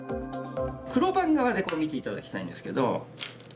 黒番側で見て頂きたいんですけど。